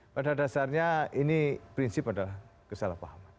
pada dasarnya ini prinsip adalah kesalahpahaman